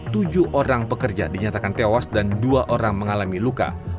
tujuh orang pekerja dinyatakan tewas dan dua orang mengalami luka